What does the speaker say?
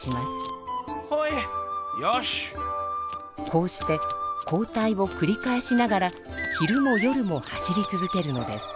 こうして交代をくり返しながら昼も夜も走り続けるのです。